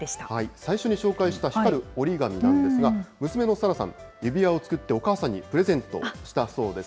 最初に紹介した光る折り紙なんですが、娘の紗羅さん、指輪を作ってお母さんにプレゼントしたそうです。